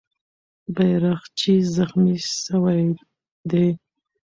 بیرغچی زخمي سوی دی.